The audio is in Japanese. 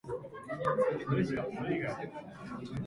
怒りのあまり、卓上調味料をすべて倒してしまいました。